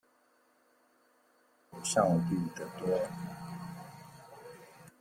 他們有效率的多